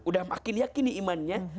udah makin yakin nih imannya